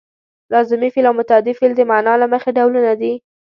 لازمي فعل او متعدي فعل د معنا له مخې ډولونه دي.